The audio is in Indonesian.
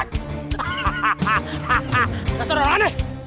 bukan itu hal aneh